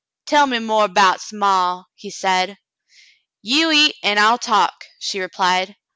"Tell me more 'bouts maw," he said. "You eat, an' I'll talk," she replied.